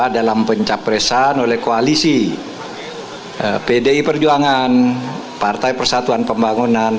dalam pencapresan oleh koalisi pdi perjuangan partai persatuan pembangunan